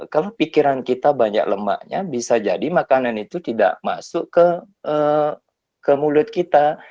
kalau pikiran kita banyak lemaknya bisa jadi makanan itu tidak masuk ke mulut kita